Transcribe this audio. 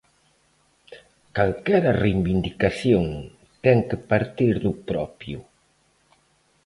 Calquera reivindicación ten que partir do propio.